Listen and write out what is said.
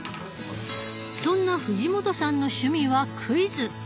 そんな藤本さんの趣味はクイズ。